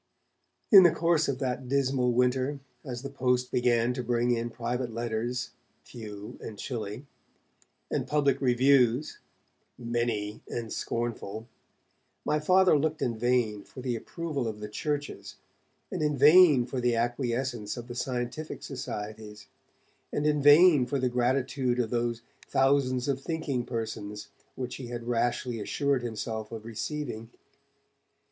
In the course of that dismal winter, as the post began to bring in private letters, few and chilly, and public reviews, many and scornful, my Father looked in vain for the approval of the churches, and in vain for the acquiescence of the scientific societies, and in vain for the gratitude of those 'thousands of thinking persons', which he had rashly assured himself of receiving.